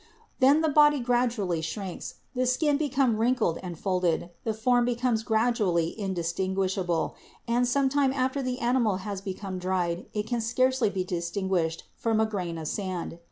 Then the body gradually shrinks, the skin become wrinkled and folded, the form becomes gradually indistinguishable, and some time after the animal has become dried it can scarcely be distinguish ed from a grain of sand.